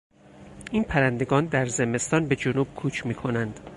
این پرندگان در زمستان به جنوب کوچ میکنند.